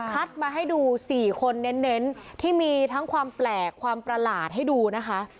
มาให้ดู๔คนเน้นที่มีทั้งความแปลกความประหลาดให้ดูนะคะ